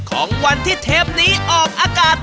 ของวันที่เทปนี้ออกอากาศ